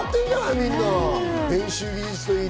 みんな。